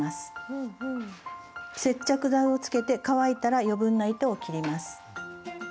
接着剤をつけて乾いたら余分な糸を切ります。